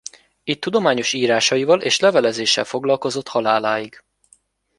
Itt tudományos írásaival és levelezéssel foglalkozott haláláig.